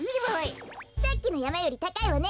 さっきのやまよりたかいわね。